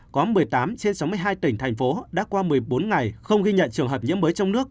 có một mươi tám trên sáu mươi hai tỉnh thành phố đã qua một mươi bốn ngày không ghi nhận trường hợp nhiễm mới trong nước